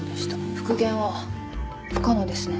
復元は不可能ですね。